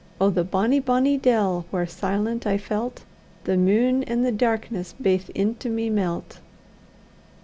Oh! the bonny, bonny dell, whaur, silent, I felt The mune an' the darkness baith into me melt.